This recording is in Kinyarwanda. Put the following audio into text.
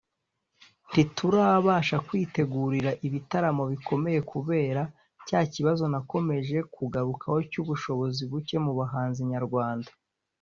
ntiturabasha kwitegurira ibitaramo bikomeye kubera cya kibazo nakomeje kugarukaho cy’ubushobozi buke mu bahanzi nyarwanda